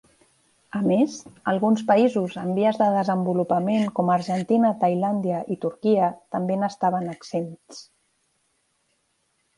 A més, alguns països en vies de desenvolupament com Argentina, Tailàndia i Turquia també n'estaven exempts.